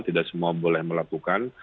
tidak semua boleh melakukan